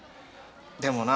でもな